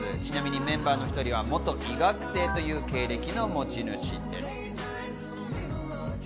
メンバーの１人は元医学生という経歴の持ち主です。